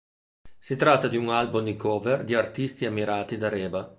Si tratta di un album di cover di artisti ammirati da Reba.